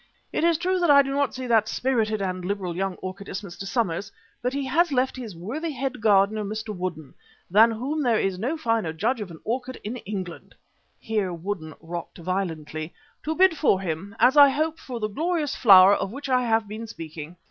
It is true that I do not see that spirited and liberal young orchidist, Mr. Somers, but he has left his worthy head gardener, Mr. Woodden, than whom there is no finer judge of an orchid in England" (here Woodden rocked violently) "to bid for him, as I hope, for the glorious flower of which I have been speaking.